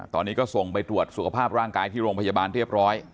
ตอนนี้ก็ส่งไปตรวจสุขภาพร่างกายที่โรงพยาบาลเรียบร้อย